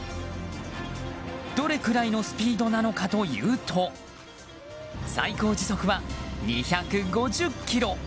どれくらいのスピードなのかというと最高時速は２５０キロ。